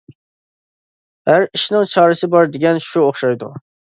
ھەر ئىشنىڭ چارىسى بار دېگەن شۇ ئوخشايدۇ.